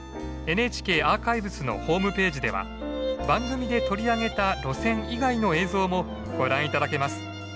ＮＨＫアーカイブスのホームページでは番組で取り上げた路線以外の映像もご覧頂けます。